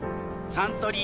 サントリー